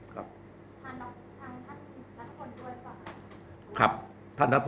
ครับท่านมีกรรมการบริหารหลักศูตร